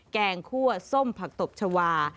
แกงคั่วส้มผักตบชาวา